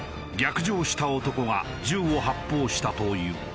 逆上した男が銃を発砲したという。